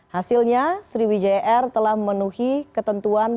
hasilnya sriwijaya air telah memenuhi ketentuan